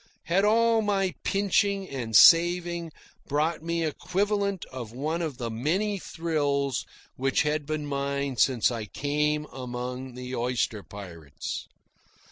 Had all my pinching and saving brought me the equivalent of one of the many thrills which had been mine since I came among the oyster pirates?